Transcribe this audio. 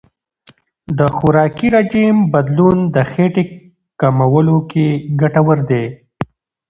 د خوراکي رژیم بدلون د خېټې کمولو کې ګټور دی.